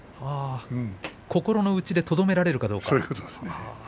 心の中でとどめられるかどうかですね。